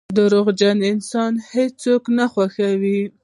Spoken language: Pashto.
• دروغجن انسان هیڅوک نه خوښوي.